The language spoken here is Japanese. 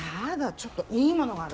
ちょっといいものがある。